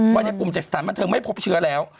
วันนี้กลุ่มจักษฐานบันเทิงไม่พบเชื้อแล้ว